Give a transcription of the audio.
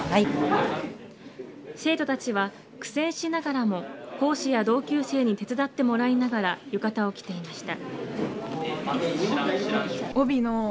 生徒たちは苦戦しながらも講師や同級生に手伝ってもらいながら浴衣を着ていました。